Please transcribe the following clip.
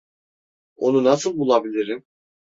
Onu nasıl bulabilirim?